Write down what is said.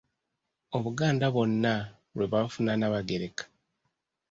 Obuganda bwonna lwe bwafuna Nnaabagereka.